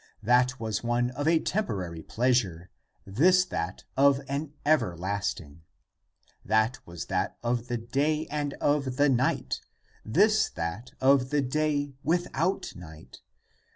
That was one of a temporary pleasure, this that of an ever lasting. That was that of the day and of the night, this that of the day without night.